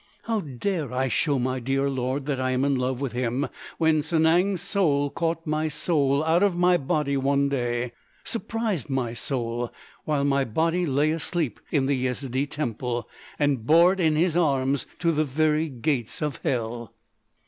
"How dare I show my dear lord that I am in love with him when Sanang's soul caught my soul out of my body one day—surprised my soul while my body lay asleep in the Yezidee Temple!—and bore it in his arms to the very gates of hell!"